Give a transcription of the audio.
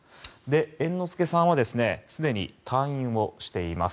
猿之助さんはすでに退院をしています。